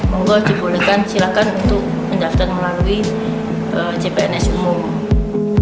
mungkin boleh silakan untuk pendaftar melalui cpns umum